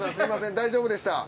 大丈夫でした。